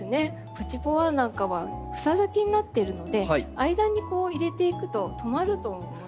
「プチ・ポワン」なんかは房咲きになってるので間に入れていくと留まると思います。